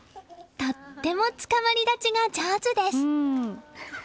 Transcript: とってもつかまり立ちが上手です。